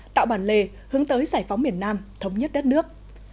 tạo bản lề hướng tới giải phóng miền nam thống nhất đất nước